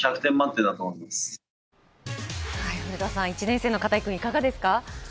１年生の片井君、いかがですか。